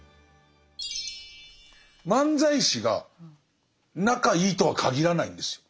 漫才師が仲いいとはかぎらないんですよ。